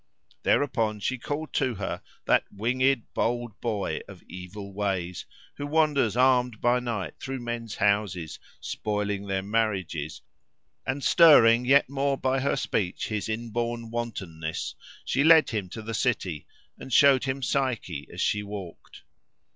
Thereupon she called to her that winged, bold boy, of evil ways, who wanders armed by night through men's houses, spoiling their marriages; and stirring yet more by her speech his inborn wantonness, she led him to the city, and showed him Psyche as she walked.